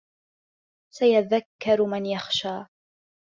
سَيَذَّكَّرُ مَن يَخْشَىٰ